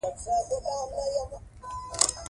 ازادي راډیو د ورزش په اړه د نړیوالو مرستو ارزونه کړې.